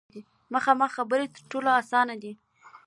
مخامخ خبرې تر ټولو اسانه دي.